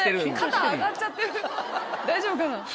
大丈夫かな？